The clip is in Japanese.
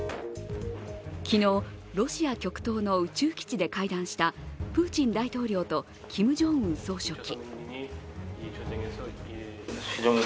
昨日、ロシア極東の宇宙基地で会談したプーチン大統領とキム・ジョンウン総書記。